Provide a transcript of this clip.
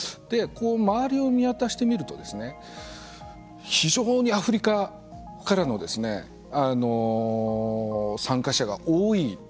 周りを見渡してみると非常にアフリカからの参加者が多い。